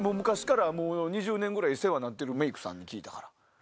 もう２０年ぐらい世話になってるメイクさんに聞いたから。